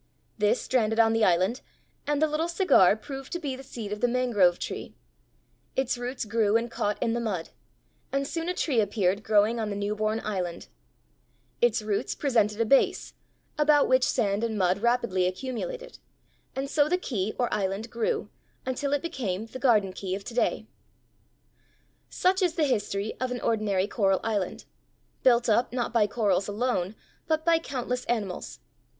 This stranded on the island, and the little cigar proved to be the seed of the mangrove tree; its roots grew and caught in the mud, and soon a tree appeared growing on the new born island. Its roots presented a base, about which sand and mud rapidly accumulated, and so the key or island grew until it became the Garden Key of to day. [Illustration: FIG. 34. Mushroom coral; a single polyp (Ctenactis), one fourth natural size.] Such is the history of an ordinary coral island, built up, not by corals alone, but by countless animals.